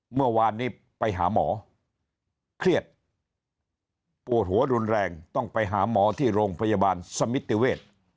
เมื่อวานนี้ไปหาหมอเครียดปวดหัวรุนแรงต้องไปหาหมอที่โรงพยาบาลสมิติเวศ